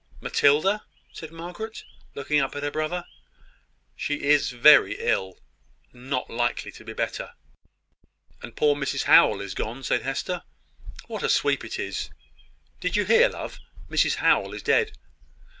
"Matilda?" said Margaret, looking up at her brother. "She is very ill; not likely to be better." "And poor Mrs Howell is gone," said Hester. "What a sweep it is! Did you hear, love? Mrs Howell is dead."